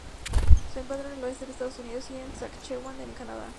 Se encuentra en el oeste de Estados Unidos y en Saskatchewan en Canadá.